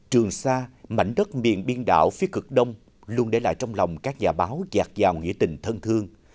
trường sa mảnh đất miền biển đảo phía cực đông luôn để lại trong lòng các nhà báo giặc dào nghĩa tình thân thương